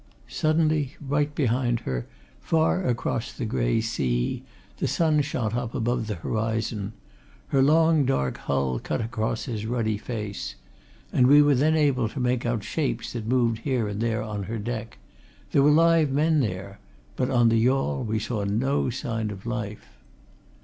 Suddenly, right behind her, far across the grey sea, the sun shot up above the horizon her long dark hull cut across his ruddy face. And we were then able to make out shapes that moved here and there on her deck. There were live men there! but on the yawl we saw no sign of life.